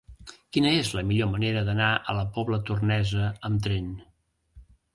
Quina és la millor manera d'anar a la Pobla Tornesa amb tren?